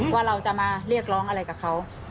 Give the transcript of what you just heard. ว่าเราจะมาเรียกร้องอะไรกับเขา